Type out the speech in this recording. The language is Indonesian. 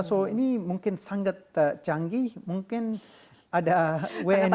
so ini mungkin sangat canggih mungkin ada wni